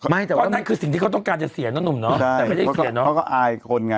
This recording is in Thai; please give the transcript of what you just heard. นั่นคือสิ่งที่เขาต้องการจะเสียเนาะหนุ่มเนาะแต่ไม่ได้เสียเนาะเขาก็อายคนไง